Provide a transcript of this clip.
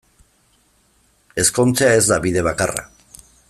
Ezkontzea ez da bide bakarra.